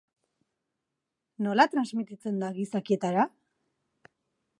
Nola transmititzen da gizakietara?